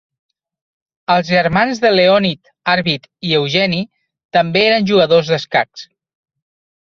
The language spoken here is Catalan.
Els germans de Leonid, Arvid i Evgeny, també eren jugadors d'escacs.